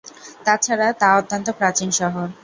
তাছাড়া তা অত্যন্ত প্রাচীন শহর।